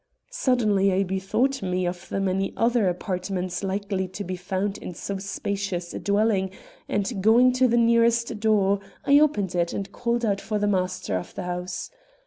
Suddenly I bethought me of the many other apartments likely to be found in so spacious a dwelling, and, going to the nearest door, I opened it and called out for the master of the house.